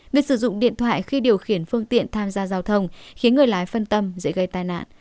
việc sử dụng điện thoại khi điều khiển phương tiện tham gia giao thông khiến người lái phân tâm dễ gây tai nạn